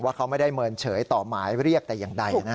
เขาไม่ได้เมินเฉยต่อหมายเรียกแต่อย่างใด